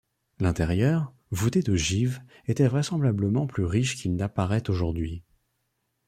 L'intérieur, voûté d'ogives, était vraisemblablement plus riche qu'il n'apparaît aujourd'hui.